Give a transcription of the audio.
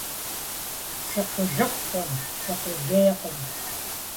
Сыкъулыкъукъым, сыкъулейкъым.